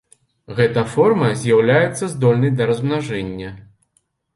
Гэта форма з'яўляецца здольнай да размнажэння.